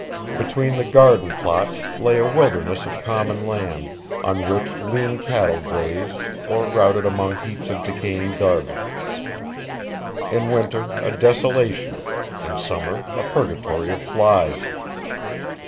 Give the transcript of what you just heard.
Between the garden plots lay a wilderness of common land, on which lean cattle grazed or routed among heaps of decaying garbage: in winter a desolation, in summer a purgatory of flies.